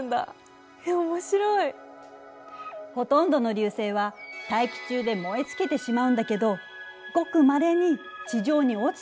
ほとんどの流星は大気中で燃え尽きてしまうんだけどごくまれに地上に落ちてくるものがあるの。